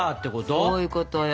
そういうことよ。